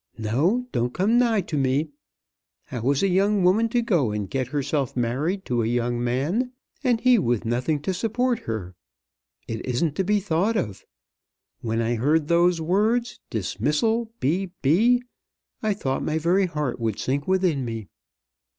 No; don't come nigh to me. How is a young woman to go and get herself married to a young man, and he with nothing to support her? It isn't to be thought of. When I heard those words, 'Dismissal B. B.,' I thought my very heart would sink within me."